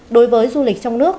đối với du lịch trong nước